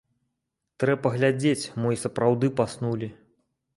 Трэ паглядзець, мо й сапраўды паснулі.